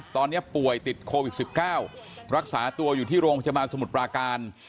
ตอนนี้ป่วยติดโควิด๑๙รักษาตัวอยู่ที่โรงพยาบาลสมุทรปราการ